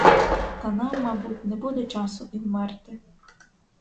Та нам, мабуть, не буде часу і вмерти.